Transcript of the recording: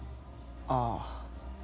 ああ。